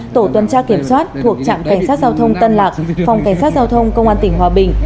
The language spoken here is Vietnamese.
tổ tuần tra kiểm soát thuộc trạm cảnh sát giao thông tân lạc phòng cảnh sát giao thông công an tỉnh hòa bình